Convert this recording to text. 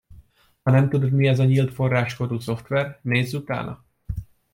Ha nem tudod, mi az a nyílt forráskódú szoftver, nézz utána!